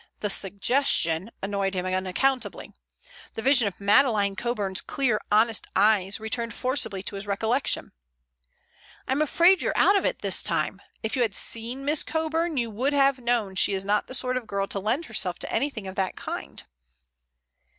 The suggestion annoyed him unaccountably. The vision of Madeleine Coburn's clear, honest eyes returned forcibly to his recollection. "I'm afraid you're out of it this time. If you had seen Miss Coburn you would have known she is not the sort of girl to lend herself to anything of that kind."